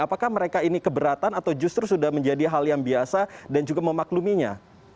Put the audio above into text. apakah mereka ini keberatan atau justru sudah menjadi hal yang biasa dan juga memakluminya